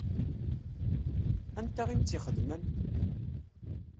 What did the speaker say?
Anta i m-tt-ixedmen?